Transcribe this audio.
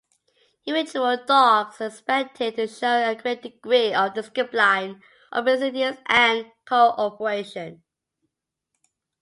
Individual dogs are expected to show a great degree of discipline, obedience and co-operation.